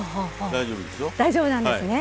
大丈夫なんですね。